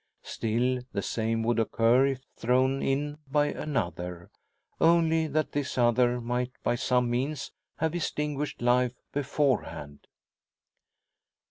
Still the same would occur if thrown in by another; only that this other might by some means have extinguished life beforehand.